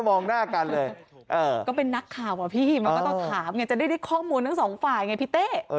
มันก็ต้องถามจะได้ได้ข้อมูลทั้งสองฝ่ายไงพี่เต้